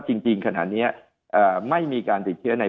จริงขณะนี้ไม่มีการติดเชื้อใน